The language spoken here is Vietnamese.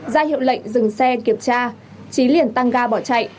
ra hiệu lệnh dừng xe kiểm tra trí liền tăng ga bỏ chạy